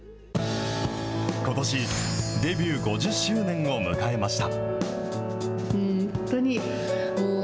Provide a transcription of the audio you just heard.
ことし、デビュー５０周年を迎えました。